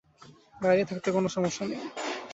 দাড়িঁয়ে থাকতে কোনো সমস্যা নেই।